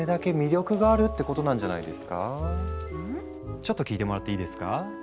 ちょっと聞いてもらっていいですか？